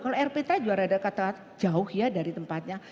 kalau rpt juga ada kata jauh ya dari tempatnya